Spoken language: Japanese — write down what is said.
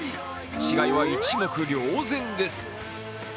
違いは一目瞭然です。